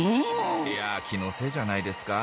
いや気のせいじゃないですか？